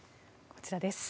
こちらです。